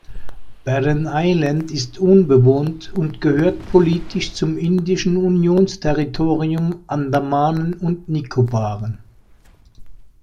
Barren Island ist unbewohnt und gehört politisch zum indischen Unionsterritorium Andamanen und Nikobaren.